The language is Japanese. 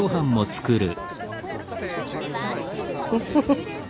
フッフフ。